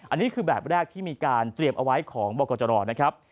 อันนี้คือแบบแรกที่มีการเตรียมเอาไว้ของบกจรนะครับ